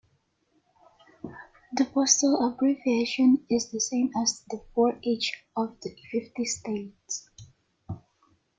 The postal abbreviation is the same as the for each of the fifty states.